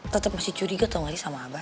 tetep masih curiga tau gak sih sama abah